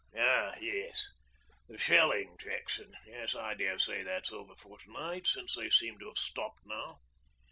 'Oh ah, yes; the shelling, Jackson. Yes, I dare say that's over for to night, since they seem to have stopped now.'